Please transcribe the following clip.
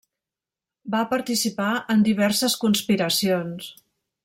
Va participar en diverses conspiracions.